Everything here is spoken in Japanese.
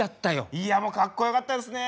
いやもうかっこよかったですね。